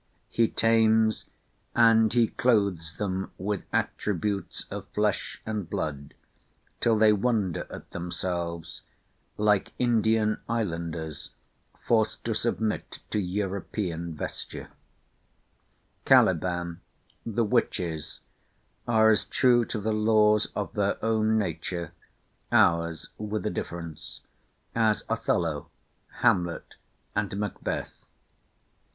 He tames, and he clothes them with attributes of flesh and blood, till they wonder at themselves, like Indian Islanders forced to submit to European vesture. Caliban, the Witches, are as true to the laws of their own nature (ours with a difference), as Othello, Hamlet, and Macbeth.